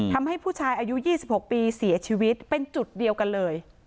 ทำให้ผู้ชายอายุ๒๖ปีเสียชีวิตเป็นจุดเดียวกันเลย